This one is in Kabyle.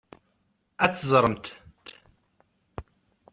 Ad teẓremt.